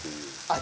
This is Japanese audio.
あ！